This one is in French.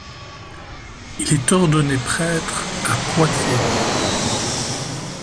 Il est ordonné prêtre à Poitiers.